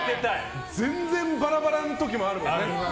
全然バラバラの時もあるからね。